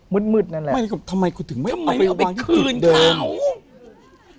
มืดมืดนั่นแหละทำไมกูถึงไม่ทำไมเอาไปคืนเขา